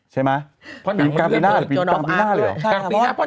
กลางปีหน้าเพราะหนังเริ่มเป็นปีหน้าหมดเลย